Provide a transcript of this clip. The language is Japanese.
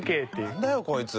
なんだよこいつ。